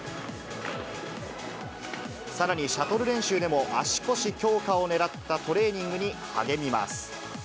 さらにシャトル練習でも、足腰強化をねらったトレーニングに励みます。